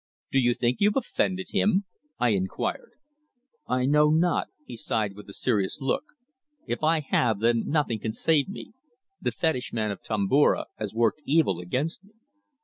"Do you think you've offended him?" I inquired. "I know not," he sighed with a serious look. "If I have, then nothing can save me; the fetish man of Tomboura has worked evil against me."